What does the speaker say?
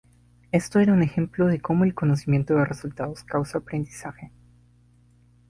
Esto era un ejemplo de cómo el conocimiento de resultados causa aprendizaje.